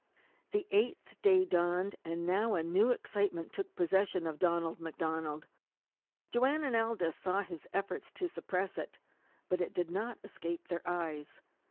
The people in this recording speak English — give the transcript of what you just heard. The eighth day dawned, and now a new excitement took possession of Donald MacDonald. Joanne and Aldous saw his efforts to suppress it, but it did not escape their eyes.